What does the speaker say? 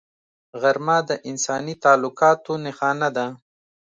غرمه د انساني تعلقاتو نښانه ده